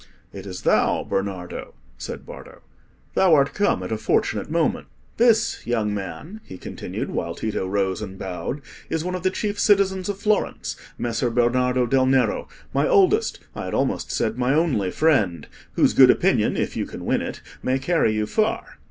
"It is thou, Bernardo," said Bardo. "Thou art come at a fortunate moment. This, young man," he continued, while Tito rose and bowed, "is one of the chief citizens of Florence, Messer Bernardo del Nero, my oldest, I had almost said my only friend—whose good opinion, if you can win it, may carry you far.